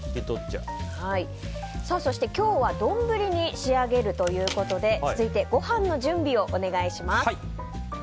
そして、今日は丼に仕上げるということで続いて、ご飯の準備をお願いします。